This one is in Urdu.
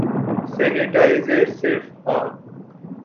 سینیٹائزر صرف ہا